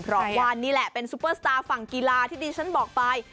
เพราะว่านี่แหละเป็นซุปเปอร์สตาร์ฝั่งกีฬาที่ดิฉันบอกไป